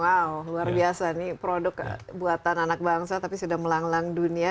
wow luar biasa ini produk buatan anak bangsa tapi sudah melanglang dunia